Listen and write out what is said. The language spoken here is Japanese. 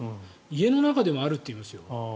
家の中でもあるって言いますよ。